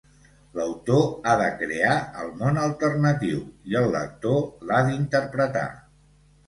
L'autor ha de crear el món alternatiu i el lector l'ha d'interpretar.